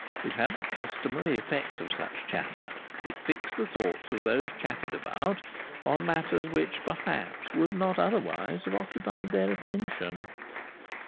It had the customary effect of such chatter; it fixed the thoughts of those chatted about on matters which perhaps would not otherwise have occupied their attention.